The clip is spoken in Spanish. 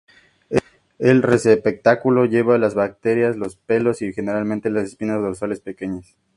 El receptáculo lleva las brácteas, los pelos y generalmente las espinas dorsales pequeñas.